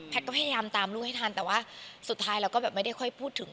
ก็พยายามตามลูกให้ทันแต่ว่าสุดท้ายเราก็แบบไม่ได้ค่อยพูดถึง